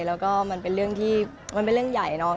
แล้วก็มันเป็นเรื่องที่มันเป็นเรื่องใหญ่เนอะ